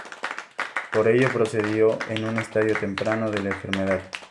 Por ello procedió en un estadio temprano de la enfermedad.